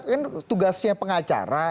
ini tugasnya pengacara